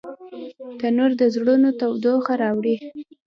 تنور د زړونو تودوخه راوړي